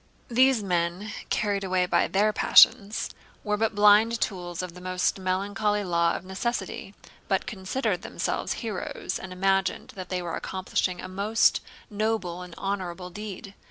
These men, carried away by their passions, were but blind tools of the most melancholy law of necessity, but considered themselves heroes and imagined that they were accomplishing a most noble and honorable deed.